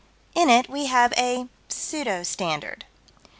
In it we have a pseudo standard.